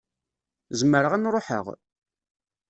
Zemreɣ ad n-ṛuḥeɣ?